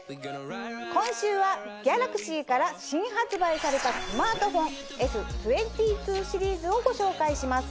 今週はＧａｌａｘｙから新発売されたスマートフォン。をご紹介します。